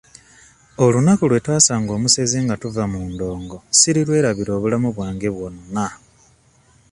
Olunaku lwe twasanga omusezi nga tuva mu ndongo sirirwerabira obulamu bwange bwonna.